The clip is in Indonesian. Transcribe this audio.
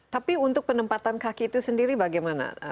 tapi untuk penempatan kaki itu sendiri bagaimana